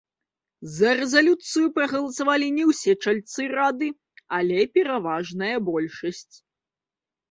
За рэзалюцыю прагаласавалі не ўсе чальцы рады, але пераважная большасць.